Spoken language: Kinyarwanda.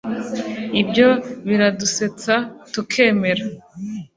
ibyo biradusetsa tukemera